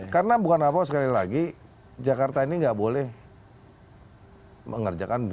karena bukan apa apa sekali lagi jakarta ini gak boleh mengerjakan